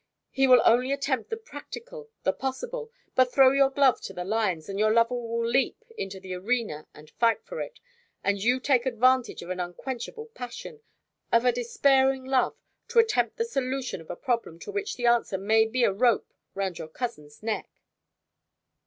He will only attempt the practical, the possible. But throw your glove to the lions, and your lover will leap into the arena and fight for it! And you take advantage of an unquenchable passion, of a despairing love, to attempt the solution of a problem to which the answer may be a rope round your cousin's neck."